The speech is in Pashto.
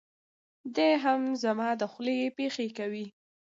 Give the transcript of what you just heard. دی هم زما دخولې پېښې کوي.